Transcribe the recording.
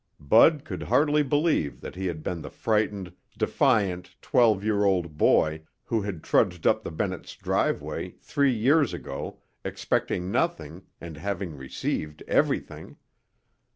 Bud could hardly believe that he had been the frightened, defiant twelve year old boy who had trudged up the Bennetts' driveway three years ago expecting nothing and having received everything.